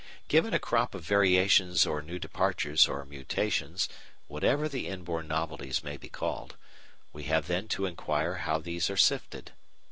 Given a crop of variations or new departures or mutations, whatever the inborn novelties may be called, we have then to inquire how these are sifted.